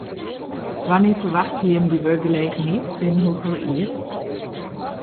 Wannear ferwachtsje jim dy wurkgelegenheid, binnen hoefolle jier?